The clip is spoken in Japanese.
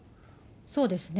そうですね。